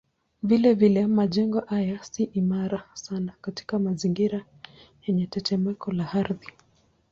Vilevile majengo haya si imara sana katika mazingira yenye tetemeko la ardhi.